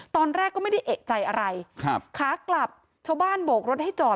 ตอนแรกก็ไม่ได้เอกใจอะไรครับขากลับชาวบ้านโบกรถให้จอด